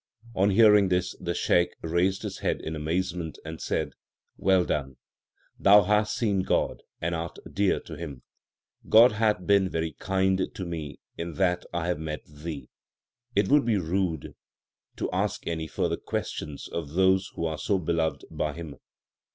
3 On hearing this the Shaikh raised his head in amazement and said, Well done. Thou hast seen God, and art dear to Him. God hath been very kind to me in that I have met thee. It would be rude to ask any further questions of those who are so beloved by Him.